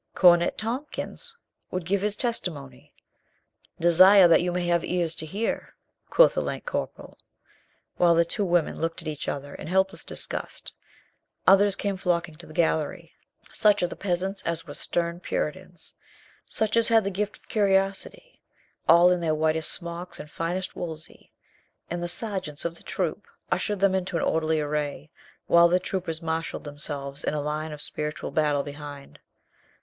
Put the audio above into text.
"Cornet Tompkins would give his testimony. De sire that you may have ears to hear," quoth a lank corporal. While the two women looked at each other in helpless disgust, others came flocking to the gallery — such of the peasants as were stern Puritans, such as had the gift of curiosity, all in their whitest smocks and finest woolsey, and the sergeants of the troop ushered them into an orderly array, while the troopers marshalled themselves in line of spiritual battle behind.